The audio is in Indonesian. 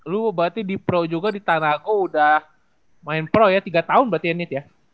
lu berarti di pro juga di tangga aku udah main pro ya tiga tahun berarti ya nith ya